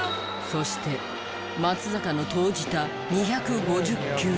そして松坂の投じた２５０球目。